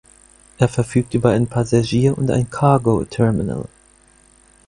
Er verfügt über ein Passagier- und ein Cargo-Terminal.